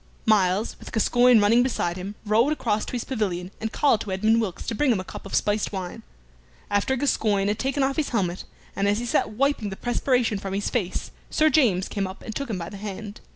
Myles, with Gascoyne running beside him, rode across to his pavilion, and called to Edmund Wilkes to bring him a cup of spiced wine. After Gascoyne had taken off his helmet, and as he sat wiping the perspiration from his face Sir James came up and took him by the hand.